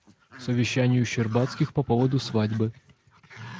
Совещание у Щербацких по поводу свадьбы.